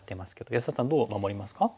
安田さんどう守りますか？